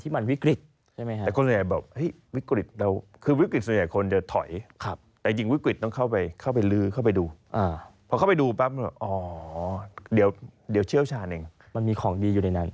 มีของดีตลอดเวลา